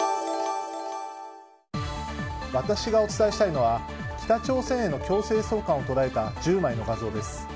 私がお伝えしたいのは北朝鮮への強制送還を捉えた１０枚の画像です。